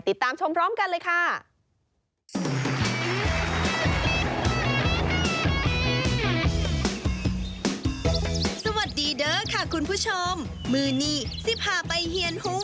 ติดตามชมพร้อมกันเลยค่ะ